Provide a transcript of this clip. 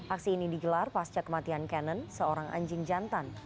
aksi ini digelar pasca kematian canon seorang anjing jantan